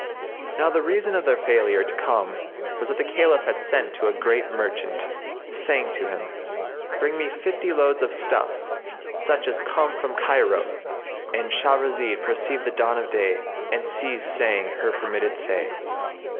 Now the reason of their failure to come was that the Caliph had sent to a great merchant, saying to him, "Bring me fifty loads of stuffs, such as come from Cairo,"—And Shahrazad perceived the dawn of day and ceased saying her permitted say.